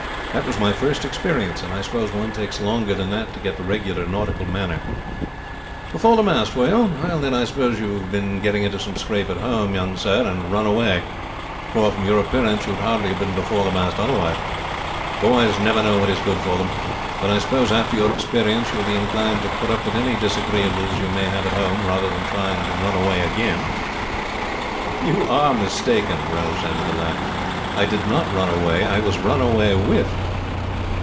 That was my first experience; and I suppose one takes longer than that to get the regular nautical manner." "Before the mast, were you? Then I suppose you have been getting into some scrape at home, young sir, and run away; for, from your appearance, you would hardly have been before the mast otherwise. Boys never know what is good for them. But I suppose after your experience you will be inclined to put up with any disagreeables you may have at home rather than try running away again?" "You are mistaken!" Ralph said with a laugh. "I did not run away. I was run away with!"